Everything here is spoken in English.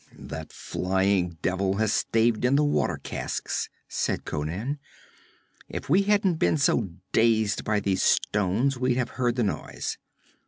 'That flying devil has staved in the water casks,' said Conan. 'If we hadn't been so dazed by these stones we'd have heard the noise.